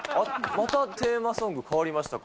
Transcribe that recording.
またテーマソング変わりましたか。